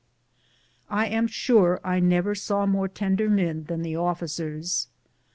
I am sure I never saw more tender men than the officers.